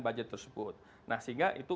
budget tersebut nah sehingga itu